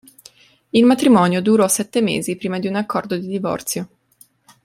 Il matrimonio durò sette mesi prima di un accordo di divorzio.